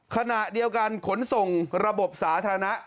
ขณะเดียวกันขนส่งระบบสาธารณะ